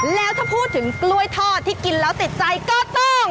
แล้วถ้าพูดถึงกล้วยทอดที่กินแล้วติดใจก็ต้อง